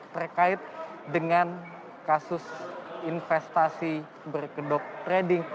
terkait dengan kasus investasi berkedok trading